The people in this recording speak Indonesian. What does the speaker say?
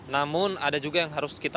namun ada juga yang harus kita